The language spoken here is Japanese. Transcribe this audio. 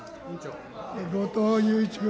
後藤祐一君。